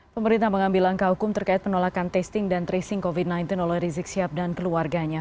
pemerintah mengambil langkah hukum terkait penolakan testing dan tracing covid sembilan belas oleh rizik sihab dan keluarganya